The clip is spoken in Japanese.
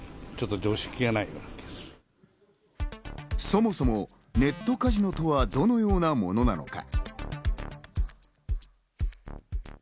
そもそもネットカジノとはどのようなものなのか。